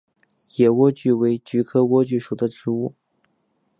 野莴苣为菊科莴苣属的植物。